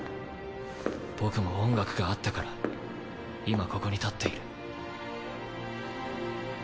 僕も音楽があったから今ここに立っている。